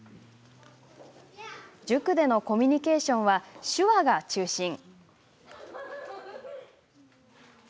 塾でのコミュニケーションは手話が中心。